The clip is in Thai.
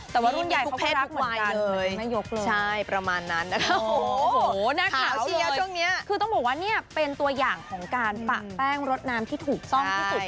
เขาก็รักเหมือนกันใช่ประมาณนั้นนะครับโอ้โหน่าขาวเชียวช่วงนี้คือต้องบอกว่าเนี่ยเป็นตัวอย่างของการปะแป้งรสน้ำที่ถูกซ่อมที่สุด